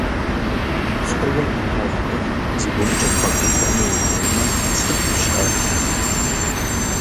Фӏыуэ плъагъухэр зыгуэркӏэ бгъэгуфӏэну ухуеймэ, сыт пщӏэр?